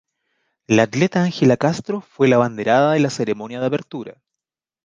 La atleta Ángela Castro fue la abanderada en la ceremonia de apertura.